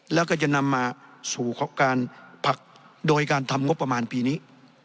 แล้วก็จะนำมาสู่การผลักโดยการทำงบประมาณปีนี้